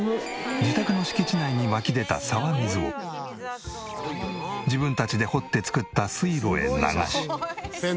自宅の敷地内に湧き出た沢水を自分たちで掘って作った水路へ流し。